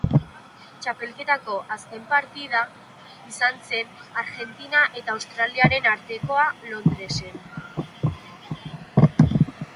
Txapelketako azken partida izan zen, Argentina eta Australiaren artekoa, Londresen.